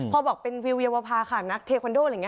พอบอกเป็นวิวเยาวภาค่ะนักเทควันโด